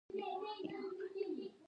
بلنه ورکړه.